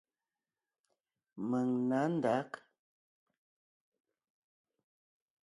Mèŋ nǎ ndǎg.